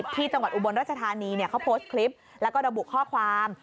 อุบลรัชธานีเขาโพสต์คลิปแล้วก็ระบุข้อความ